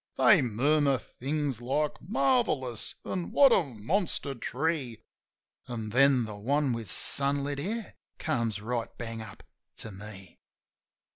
They murmur things like "Marvellous !" an' "What a monster tree!" An' then the one with sunlit hair comes right bang up to me.